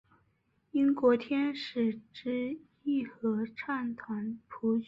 英国天使之翼合唱团谱曲。